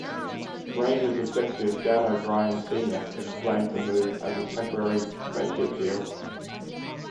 Rangers executive Dan O'Brien Senior explained the move as a temporary "friendship deal".